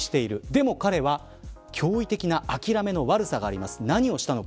でも彼は、驚異的な諦めの悪さがあります。